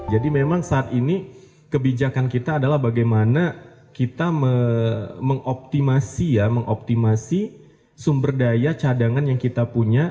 jadi memang saat ini kebijakan kita adalah bagaimana kita mengoptimasi sumber daya cadangan yang kita punya